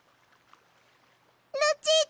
ルチータ！